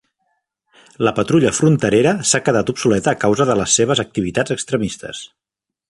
La patrulla fronterera s'ha quedat obsoleta a causa de les seves activitats extremistes.